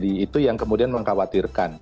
itu yang kemudian mengkhawatirkan